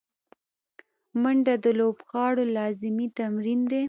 منډه د لوبغاړو لازمي تمرین دی